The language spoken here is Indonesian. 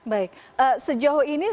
baik sejauh ini